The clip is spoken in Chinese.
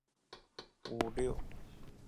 巢是由雌鸟以草筑成。